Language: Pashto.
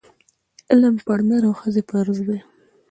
علم پر نر او ښځي فرض دی